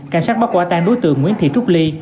cảnh sát bắt quả tang đối tượng nguyễn thị trúc ly